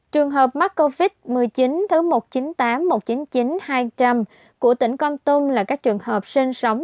trường hợp mắc covid một mươi chín thứ một trăm chín mươi tám một trăm chín mươi chín hai trăm linh của tỉnh con tum là các trường hợp sinh sống